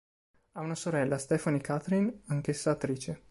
Ha una sorella, Stephanie Katherine, anch'essa attrice.